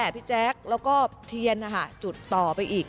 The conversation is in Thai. พี่แจ๊คแล้วก็เทียนจุดต่อไปอีก